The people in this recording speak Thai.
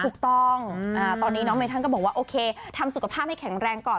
ถูกต้องตอนนี้น้องเมธันก็บอกว่าโอเคทำสุขภาพให้แข็งแรงก่อน